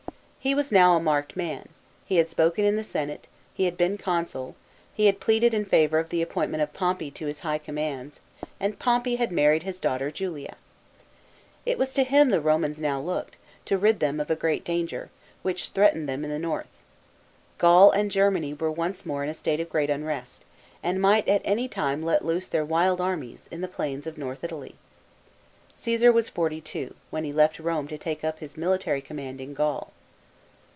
He was now a marked man ; he had spoken in the Senate , he had been consul ; he had pleaded in favour of the appointment of Pompey to his high commands, and Pompey had married his daughter Julia. It was to him the Romans now looked, to rid them of a great danger, which threatened them in the north. Gaul and Germany were once more in a state of great unrest, and might at any time let loose their wild armies, in the plains of North Italy. Caesar was forty two, when he left Rome to take up his military com mand in Gaul.